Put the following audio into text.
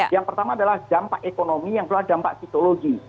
yang pertama adalah dampak ekonomi yang pula dampak sitologi